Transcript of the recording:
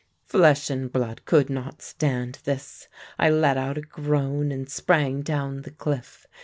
"Flesh and blood could not stand this. I let out a groan and sprang down the cliff.